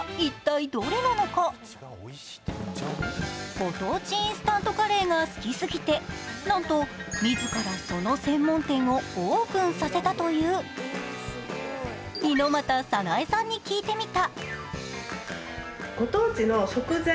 ご当地インスタントカレーが好きすぎてなんと自らその専門店をオープンさせたという猪俣早苗さんに聞いてみた。